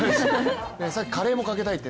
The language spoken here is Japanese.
さっきカレーもかけたいって。